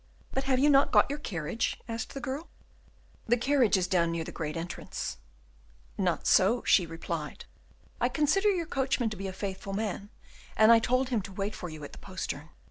"But have you not got your carriage?" asked the girl. "The carriage is down near the great entrance." "Not so," she replied. "I considered your coachman to be a faithful man, and I told him to wait for you at the postern."